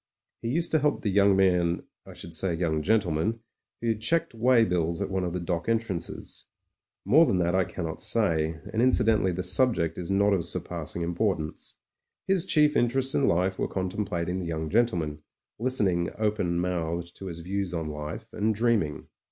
He used to help the young man — ^I should say young gentleman — ^who checked weigh bills at one of the dock entrances. More than that I cannot say, and incidentally the subject is not of 6o MEN, WOMEN AND GUNS surpassing importance. His chief interests in life were contemplating the young gentleman, listening open mouthed to his views on life, and, dreaming.